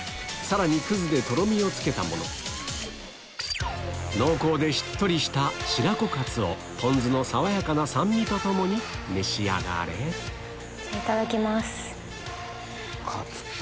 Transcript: さらにでとろみをつけたもの濃厚でしっとりした白子カツをポン酢の爽やかな酸味とともに召し上がれいただきます。